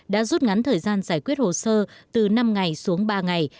đã rút ngắn thời gian giải quyết hồ sơ từ năm ngày xuống ba ngày